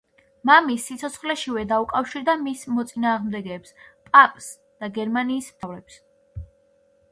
მამის სიცოცხლეშივე დაუკავშირდა მის მოწინააღმდეგეებს —პაპს და გერმანიის მთავრებს.